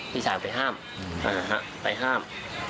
พี่ชายไปห้ามอ่าฮะไปห้าม